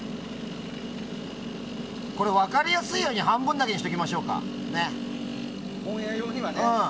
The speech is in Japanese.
これ、分かりやすいように半分だけにしておきましょうか。